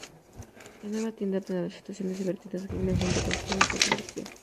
La nueva vida tendrá situaciones divertidas que vienen junto con su nuevo estatus social.